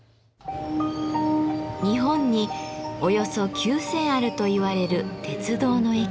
日本におよそ９，０００あるといわれる鉄道の駅。